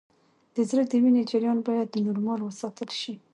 د زړه د وینې جریان باید نورمال وساتل شي